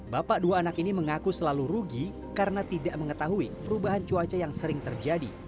bapak dua anak ini mengaku selalu rugi karena tidak mengetahui perubahan cuaca yang sering terjadi